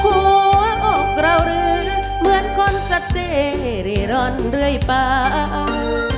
หัวอกเราเหลือเหมือนคนสัตเจริรรณเรื่อยป่าว